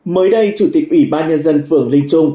mới đây chủ tịch ủy ban nhân dân phường linh trung